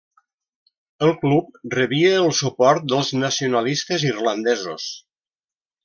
El club rebia el suport dels nacionalistes irlandesos.